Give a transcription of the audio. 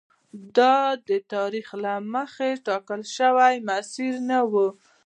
دا د تاریخ له مخکې ټاکل شوی مسیر نه و.